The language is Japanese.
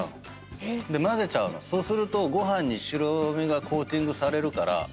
そうするとご飯に白身がコーティングされるから。